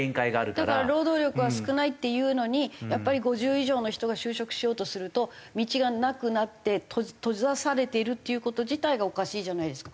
だから労働力は少ないっていうのにやっぱり５０以上の人が就職しようとすると道がなくなって閉ざされているっていう事自体がおかしいじゃないですか。